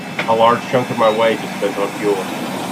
A large chunk of my wage is spent on fuel.